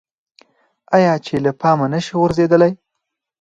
آیا چې له پامه نشي غورځیدلی؟